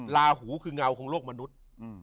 ลาหูคือเงาของโลกมนุษย์